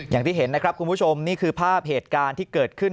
อย่างที่เห็นนะครับคุณผู้ชมนี่คือภาพเหตุการณ์ที่เกิดขึ้น